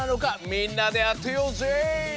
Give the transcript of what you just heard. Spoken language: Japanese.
みんなであてようぜ！